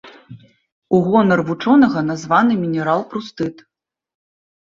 У гонар вучонага названы мінерал прустыт.